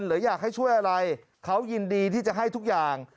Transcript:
หรืออยากให้ช่วยอะไรเขายินดีที่จะให้ทุกอย่าง